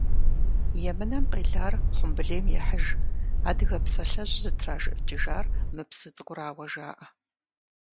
«Емынэм къелар хъумбылейм ехьыж» адыгэ псалъэжьыр зытражыӀыкӀыжар мы псы цӀыкӀурауэ жаӀэ.